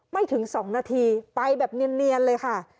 ไม่ถึง๒นาทีไปแบบเนียนเลยค่ะ